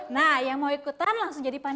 nah yang mau ikutan langsung jadi paniti